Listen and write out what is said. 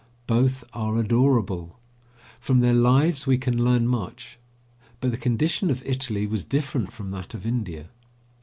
Both are adorable; from their lives we can learn much. But the condition of Italy was different from that of India.